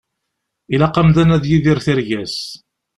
Ilaq amdan ad yidir tirga-s.